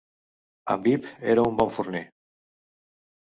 En Bep era un bon forner